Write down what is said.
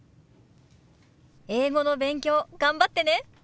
英語の勉強頑張ってね。